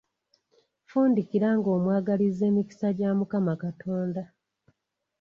Fundikira ng'omwagaliza emikisa gya Mukama Katonda.